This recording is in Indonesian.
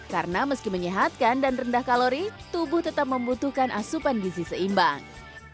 karena meski menyehatkan dan rendah kalori tubuh tetap membutuhkan asupan gizi seimbang